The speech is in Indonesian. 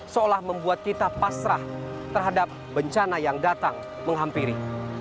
seolah membuat kita pasrah terhadap bencana yang datang menghampiri